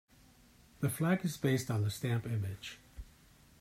The flag is based on the stamp image.